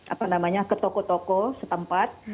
apa namanya ke toko toko setempat